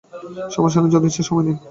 সমস্যা নেই, যত ইচ্ছা সময় নিন।